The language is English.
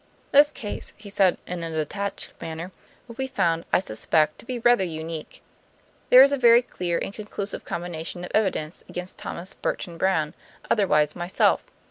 "This case," he said in a detached manner, "will be found, I suspect, to be rather unique. There is a very clear and conclusive combination of evidence against Thomas Burton Brown, otherwise myself.